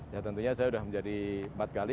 ya tentunya saya sudah menjadi empat kali